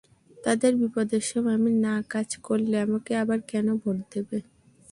তাদের বিপদের সময় আমি না কাজ করলে আমাকে আবার কেন ভোট দেবে?